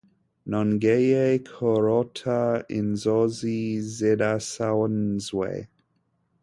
Nongeye kurota inzozi zidasanzwe.